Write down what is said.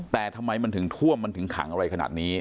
แต่ทำไมมันถึงท่วมมันถึงขังอะไรขนาดนี้